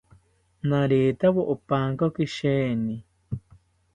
Naretawo opankoki sheeni